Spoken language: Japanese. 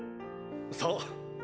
そう！